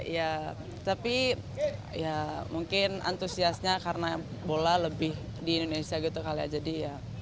ya tapi ya mungkin antusiasnya karena bola lebih di indonesia gitu kali ya jadi ya